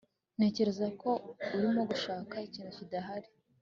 Ntekereza ko urimo gushaka ikintu kidahari